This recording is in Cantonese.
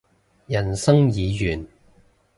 人生已完